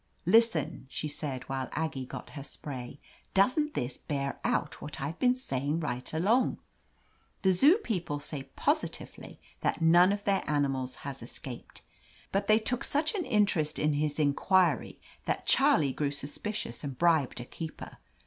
"Listen," she said while Aggie got her spray, doesn't this bear out what IVe been saying right along? The Zoo people say positively that none of their animals has escaped. But fl they took such an interest in his inquiry that Charlie grew suspicious and bribed a keeper.